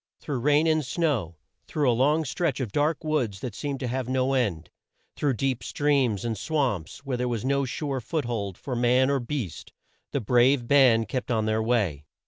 Through rain and snow, through a long stretch of dark woods that seemed to have no end, through deep streams and swamps where there was no sure foot hold for man or beast, the brave band kept on their way.